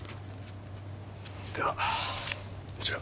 ではこちら。